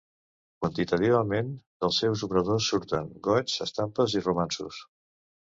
Quantitativament, dels seus obradors surten goigs, estampes i romanços.